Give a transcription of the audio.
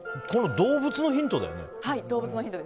動物のヒントだよね。